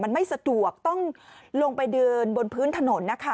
มันไม่สะดวกต้องลงไปเดินบนพื้นถนนนะคะ